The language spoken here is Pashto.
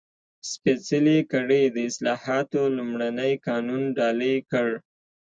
سپېڅلې کړۍ د اصلاحاتو لومړنی قانون ډالۍ کړ.